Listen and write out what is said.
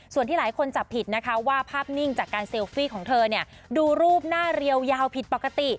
ส่วนที่หลายคนจับผิดนะคะว่าภาพนิ่งจากการเซลฟี่ของเธอเนี่ยดูรูปหน้าเรียวยาวผิดปกติ